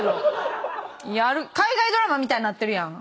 やる海外ドラマみたいになってるやん。